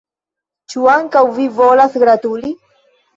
Ĉu ankaŭ vi volas gratuli?